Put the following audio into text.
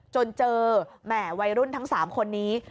จนเจอแหม่วัยรุ่นทั้ง๓คนนี้